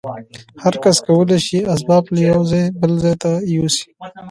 هر کس کولای شي اسباب له یوه ځای بل ته یوسي